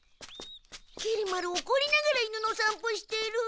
きり丸おこりながら犬のさんぽしてる。